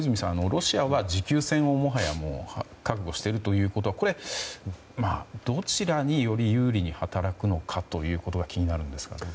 ロシアは持久戦をもはや覚悟しているということはどちらに、より有利に働くのかが気になるんですが。